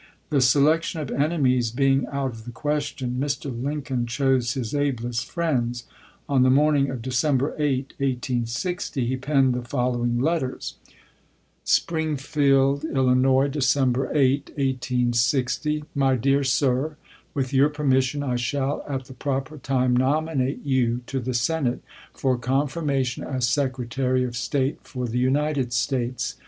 The selection of enemies being out of the ques tion, Mr. Lincoln chose his ablest friends. On the morning of December 8, 1860, he penned the fol lowing letters : LINCOLN'S CABINET 349 Springfield, III., December 8, 1860. en. xxn. My Dear Sir: With your permission I shall at the proper time nominate you to the Senate for confirmation as Secretary of State for the United States.